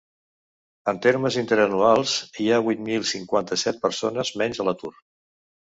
En termes interanuals, hi ha vuit mil cinquanta-set persones menys a l’atur.